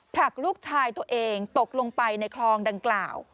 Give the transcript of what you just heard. ผลักลูกชายตัวเองตกลงไปในคลองดังกล่าว